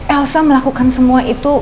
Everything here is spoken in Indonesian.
elsa melakukan semua itu